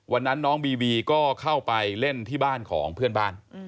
วันนั้นน้องบีบีก็เข้าไปเล่นที่บ้านของเพื่อนบ้าน